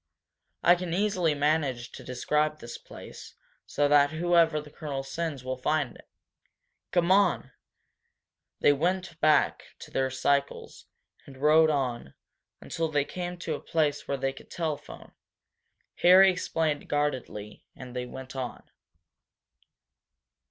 I can easily manage to describe this place so that whoever the colonel sends will find it. Come on!" They went back to their cycles and rode on until they came to a place where they could telephone. Harry explained guardedly, and they went on.